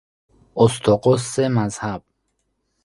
اسطقس مذهب